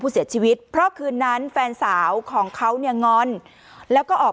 เสียชีวิตเพราะคืนนั้นแฟนสาวของเขาเนี่ยงอนแล้วก็ออก